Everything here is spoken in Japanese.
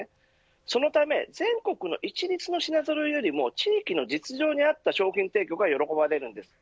そのため全国一律の品揃えより地域の実情に合った商品提供が喜ばれるんです。